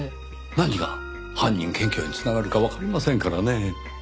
何が犯人検挙に繋がるかわかりませんからねぇ。